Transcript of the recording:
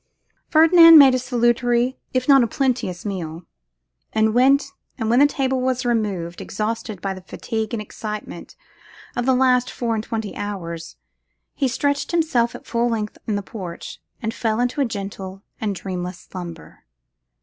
Ferdinand made a salutary, if not a plenteous meal; and when the table was removed, exhausted by the fatigue and excitement of the last four and twenty hours, he stretched himself at full length in the porch, and fell into a gentle and dreamless slumber.